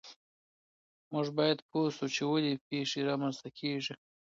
موږ باید پوه سو چې ولې پیښې رامنځته کیږي.